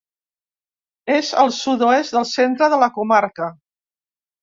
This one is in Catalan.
És al sud-oest del centre de la comarca.